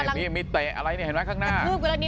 อันนี้วิ่งมาหาแท็กซี่